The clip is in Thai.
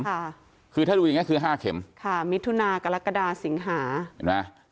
ค่ะคือถ้าดูอย่างเงี้คือห้าเข็มค่ะมิถุนากรกฎาสิงหาเห็นไหม